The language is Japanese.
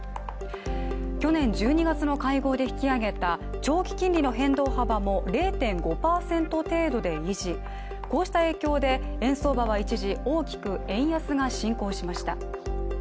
去年１２月の会合で引き上げた長期金利の変動幅も０．５％程度で維持、こうした影響で円相場は一時大きく円安が進行しました。